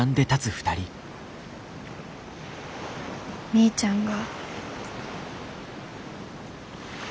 みーちゃんが。